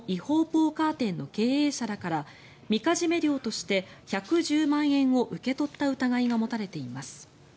ポーカー店の経営者らからみかじめ料として１１０万円を受け取った疑いが持たれています。